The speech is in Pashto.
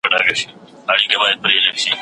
زما سترخان باندي که پیاز دی خو په نیاز دی